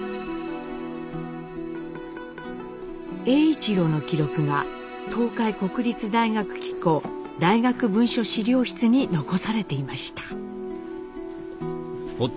栄一郎の記録が東海国立大学機構大学文書資料室に残されていました。